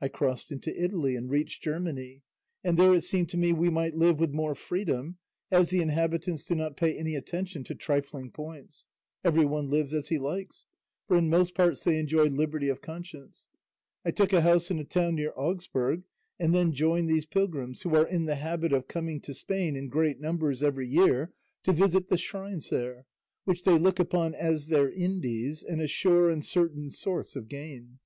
I crossed into Italy, and reached Germany, and there it seemed to me we might live with more freedom, as the inhabitants do not pay any attention to trifling points; everyone lives as he likes, for in most parts they enjoy liberty of conscience. I took a house in a town near Augsburg, and then joined these pilgrims, who are in the habit of coming to Spain in great numbers every year to visit the shrines there, which they look upon as their Indies and a sure and certain source of gain.